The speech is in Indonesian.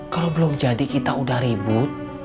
kalau belum jadi kita udah ribut